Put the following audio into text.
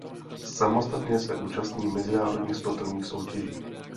Samostatně se účastní mezinárodních sportovních soutěží.